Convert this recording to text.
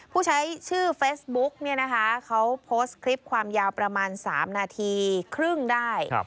ผู้ใช้ชื่อเฟซบุ๊กเนี่ยนะคะเขาโพสต์คลิปความยาวประมาณ๓นาทีครึ่งได้